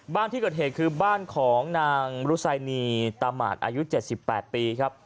บ้านที่เกิดเหตุคือบ้านของนางบรุษัยนีตามหมาตรอายุเจ็ดสิบแปดปีครับ